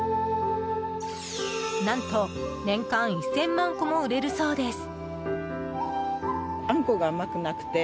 何と年間１０００万個も売れるそうです。